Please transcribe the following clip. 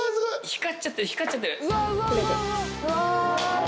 光っちゃってる光っちゃってる！